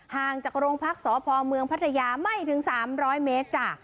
ห่างจากโรงพักษพเมืองพัทยาไม่ถึง๓๐๐เมตรจ้ะ